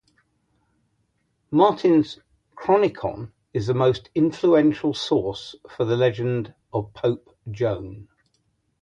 Martin's "Chronicon" is the most influential source for the legend of "Pope Joan".